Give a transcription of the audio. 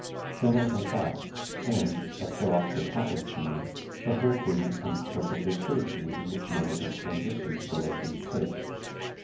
Then I wake up and, as so often happens to me, the whole dream becomes perfectly clear to me in this moment of transition to the waking state.